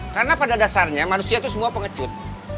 karena pada dasarnya manusia tuh semua pengecut